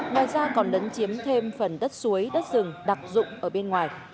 ngoài ra còn lấn chiếm thêm phần đất suối đất rừng đặc dụng ở bên ngoài